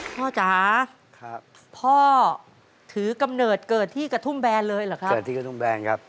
จ๋าครับพ่อถือกำเนิดเกิดที่กระทุ่มแบนเลยเหรอครับเกิดที่กระทุ่มแบนครับ